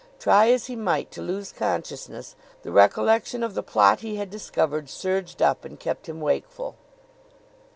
Try as he might to lose consciousness, the recollection of the plot he had discovered surged up and kept him wakeful.